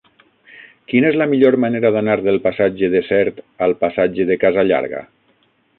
Quina és la millor manera d'anar del passatge de Sert al passatge de Casa Llarga?